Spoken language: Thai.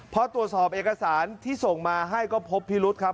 พอตรวจสอบเอกสารที่ส่งมาให้ก็พบพิรุษครับ